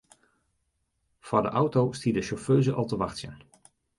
Foar de auto stie de sjauffeuze al te wachtsjen.